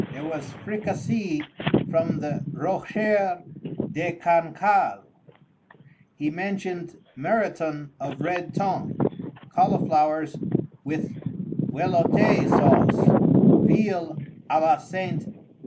There was Fricassée from the Rocher de Cancale. He mentioned Muriton of red tongue; cauliflowers with velouté sauce; veal à la St.